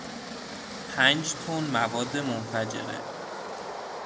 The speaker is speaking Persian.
پنج تن مواد منفجره